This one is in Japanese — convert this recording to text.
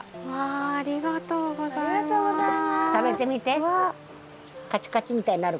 ありがとうございます！